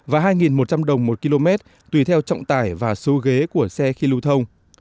và hai một trăm linh đồng một km tùy theo trọng tải và số ghế của xe khi lưu thông